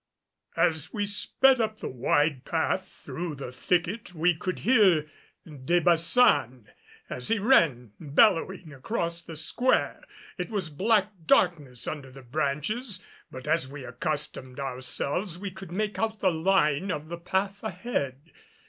As we sped up the wide path through the thicket, we could hear De Baçan as he ran bellowing across the square. It was black darkness under the branches, but as we accustomed ourselves we could make out the line of the path ahead.